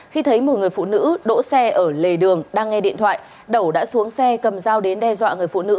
khi thấy một người phụ nữ đỗ xe ở lề đường đang nghe điện thoại đậu đã xuống xe cầm dao đến đe dọa người phụ nữ